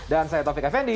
dan saya taufik effendi